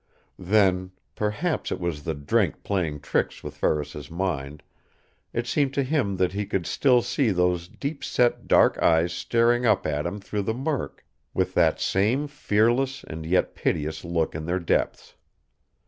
Then perhaps it was the drink playing tricks with Ferris's mind it seemed to him that he could still see those deep set dark eyes staring up at him through the murk, with that same fearless and yet piteous look in their depths.